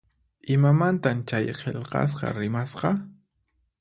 Imamantan chay qillqasqa rimasqa?